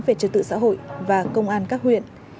về trật tự xã hội và công an các huyện